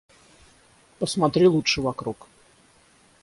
Посмотри лучше вокруг.